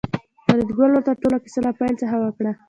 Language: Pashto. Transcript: فریدګل ورته ټوله کیسه له پیل څخه وکړه